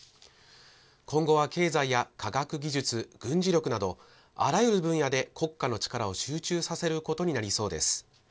今後は経済や科学技術、軍事力など、あらゆる分野で国家の力を集中させることになりそうです。